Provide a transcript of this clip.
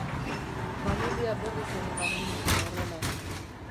Familia berriz ere banandu zen horrela.